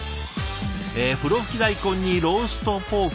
え風呂吹き大根にローストポーク。